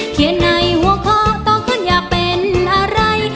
เขียนในหัวข้อต่อคนอยากเป็นอะไร